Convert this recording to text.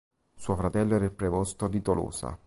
Suo fratello era il prevosto di Tolosa.